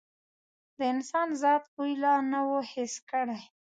د انسان ذات بوی لا نه و حس کړی.